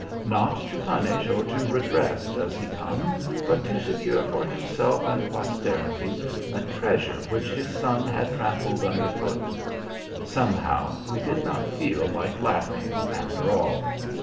Not to punish or to redress does he come, but to secure for himself and posterity a treasure which his son had trampled under foot. Somehow we did not feel like laughing, after all.